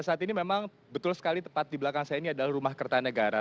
saat ini memang betul sekali tepat di belakang saya ini adalah rumah kertanegara